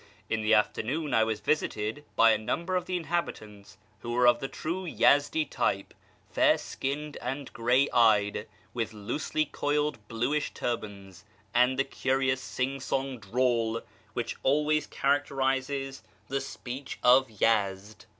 In the afternoon I was visited by a number of the inhabitants, who were of the true Yezdi type, fair skinned and gray eyed, with loosely coiled bluish turbans, and the curious sing song drawl which always characterises the speech of Yezd.